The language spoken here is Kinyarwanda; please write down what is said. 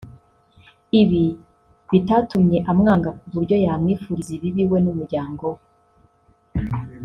ibi bitatumye amwanga kuburyo yamwifuriza ibibi we n’umuryango we